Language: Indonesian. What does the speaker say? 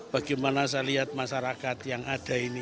bagaimana saya lihat masyarakat yang ada ini